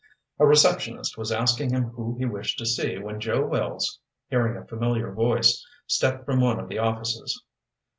A receptionist was asking him whom he wished to see when Joe Wells, hearing a familiar voice, stepped from one of the offices.